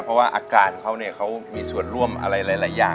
เพราะว่าอาการเขาเนี่ยเขามีส่วนร่วมอะไรหลายอย่าง